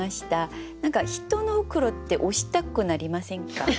何か人の黒子って押したくなりませんか？